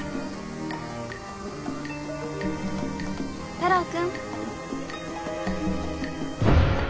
太郎君。